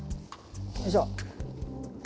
よいしょ。